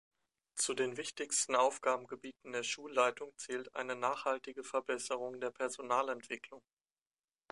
Zu den wichtigen Aufgabengebieten der Schulleitung zählt eine nachhaltige Verbesserung der Personalentwicklung.